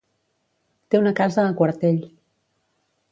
Té una casa a Quartell.